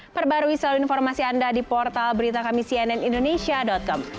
perbarui selalu informasi anda di portal berita kami cnnindonesia com